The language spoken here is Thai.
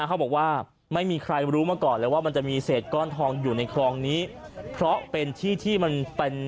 เขาบอกว่าไม่มีใครรู้มาก่อนเลยว่ามันจะมีเศษก้อนทองอยู่ในคลองนี้เพราะเป็นที่ที่มันเป็น